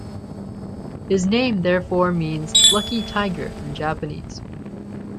His name therefore means "lucky tiger" in Japanese.